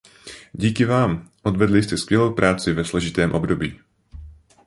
Díky vám, odvedli jste skvělou práci ve složitém období!